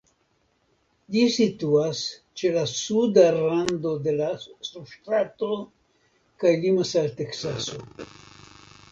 Ĝi situas ĉe la suda rando de la subŝtato kaj limas al Teksaso.